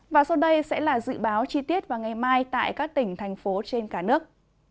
và sau đây sẽ là dự báo chi tiết vào ngày mai tại các tỉnh thành phố trên cả nước